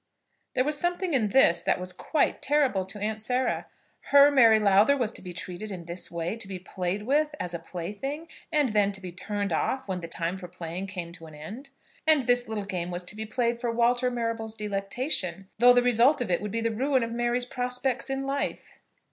There was something in this that was quite terrible to Aunt Sarah. Her Mary Lowther was to be treated in this way; to be played with as a plaything, and then to be turned off when the time for playing came to an end! And this little game was to be played for Walter Marrable's delectation, though the result of it would be the ruin of Mary's prospects in life!